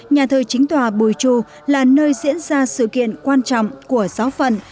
nhà thờ chính tòa bùi chu là nơi diễn ra sự kiện quan trọng của giáo phận